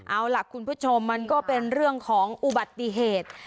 เอาล่ะคุณผู้ชมมันก็เป็นเรื่องของอุบัติเหตุ